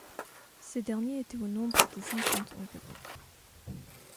Ces derniers étaient au nombre de cinquante environ.